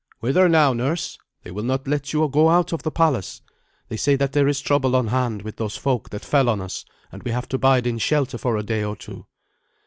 "Whither now, nurse? They will not let you go out of the palace. They say that there is trouble on hand with those folk that fell on us, and we have to bide in shelter for a day or two."